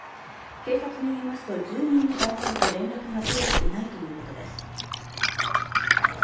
警察によりますと住人の男性と連絡が取れていないということです。